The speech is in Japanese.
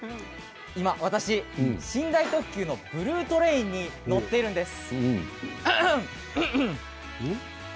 今、私、寝台特急のブルートレインに乗っているんです。